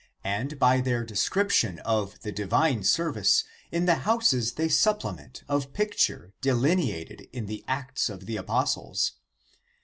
and by their description of the divine service in the houses they supplement of picture delineated in the Acts of the Apostles.